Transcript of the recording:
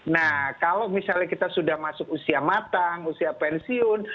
nah kalau misalnya kita sudah masuk usia matang usia pensiun